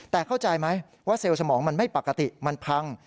แต่เข้าใจไหมว่าเซลล์สมองมันไม่ปกติมันพัง